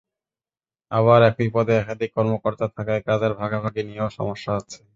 আবার একই পদে একাধিক কর্মকর্তা থাকায় কাজের ভাগাভাগি নিয়েও সমস্যা হচ্ছে।